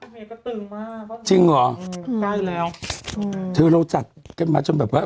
มีกระตึงมากจริงเหรอได้แล้วถือเราจัดกันมาจนแบบว่า